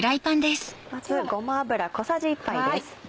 まずごま油小さじ１杯です。